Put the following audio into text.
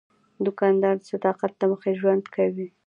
دوکاندار د صداقت له مخې ژوند کوي.